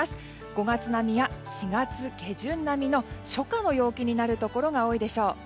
５月並みや４月下旬並みの初夏の陽気になるところが多いでしょう。